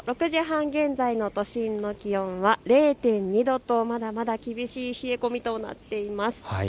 ６時半現在の都心の気温は０．２度と、まだまだ厳しい冷え込みとなっています。